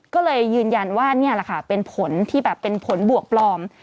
ก็เลยยืนยันว่าเป็นผลที่แบบเป็นผลบวกปลอม